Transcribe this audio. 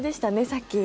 さっき。